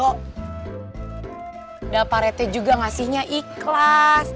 udah pak rete juga ngasihnya ikhlas